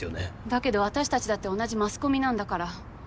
だけど私たちだって同じマスコミなんだから。